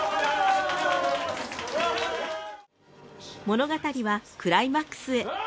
物語はクライマックスへ。